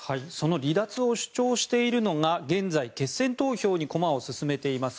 離脱を主張しているのが現在、決選投票に駒を進めています